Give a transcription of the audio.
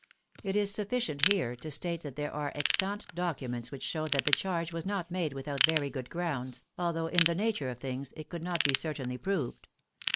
It is sufficient here to state that there are extant documents which show that the charge was not made without very good grounds, although in the nature of things it could not be certainly proved.